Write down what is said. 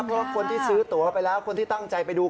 เพราะคนที่ซื้อตัวไปแล้วคนที่ตั้งใจไปดู